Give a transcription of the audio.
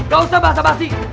gak usah basa basi